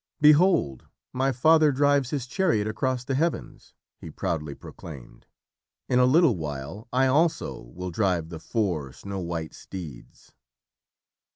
"Behold, my father drives his chariot across the heavens!" he proudly proclaimed. "In a little while I, also, will drive the four snow white steeds."